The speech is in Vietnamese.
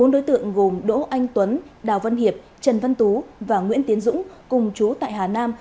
bốn đối tượng gồm đỗ anh tuấn đào văn hiệp trần văn tú và nguyễn tiến dũng cùng chú tại hà nam